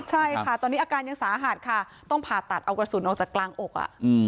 ใช่ค่ะตอนนี้อาการยังสาหัสค่ะต้องผ่าตัดเอากระสุนออกจากกลางอก